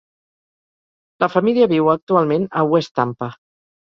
La família viu actualment a West Tampa.